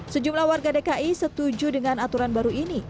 sejumlah warga dki setuju dengan aturan baru ini